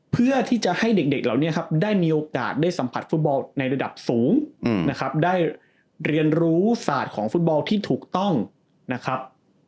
เพื่อที่จะให้เด็กเหล่านี้ครับได้มีโอกาสได้สัมผัสฟุตบอลในระดับสูงนะครับได้เรียนรู้ศาสตร์ของฟุตบอลที่ถูกต้องนะครับ